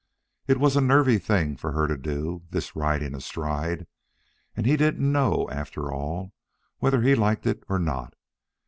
It was a nervy thing for her to do, this riding astride, and he didn't know, after all, whether he liked it or not.